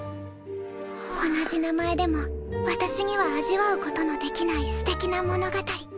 同じ名前でも私には味わうことのできないすてきな物語。